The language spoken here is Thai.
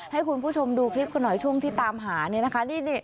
ให้คุณผู้ชมดูคลิปกันหน่อยช่วงที่ตามหาเนี่ยนะคะ